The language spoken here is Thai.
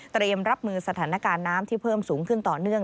เตรียมรับมือสถานการณ์น้ำที่เพิ่มสูงขึ้นต่อเนื่อง